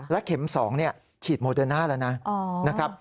และเข็ม๒ฉีดโมเดนาลัง